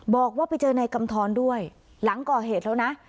บอกว่าไปเจอนายกำทรด้วยหลังก่อเหตุแล้วนะ